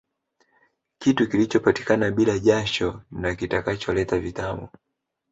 Kitu kilichopatikana bila jasho na kitakacholeta vitamu